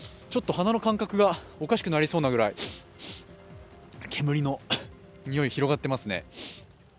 ちょっと鼻の感覚がおかしくなりそうなくらい、煙のにおい、広がっていますね。